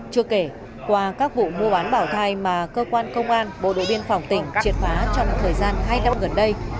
chưa kể qua các vụ mua bán bảo thai mà cơ quan công an bộ đội biên phòng tỉnh triệt phá trong thời gian hai năm gần đây